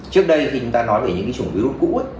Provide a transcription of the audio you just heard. trước đây khi chúng ta nói về những cái chủng virus cũ